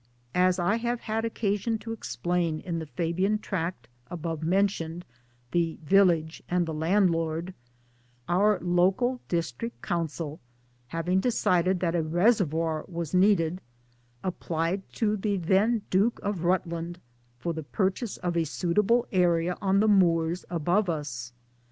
As I have had occasion to explain in the Fabian Tract above mentioned The Village and the Landlord our local District Council, having decided that a reservoir was needed, applied to the then Duke of Rutland for the purchase of a suitable area on the moors above us.